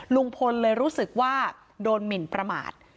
ลุงพลเลยรู้สึกว่าโดนหมินประมาท